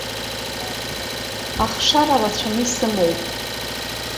Ахшара рацәаны исымоуп.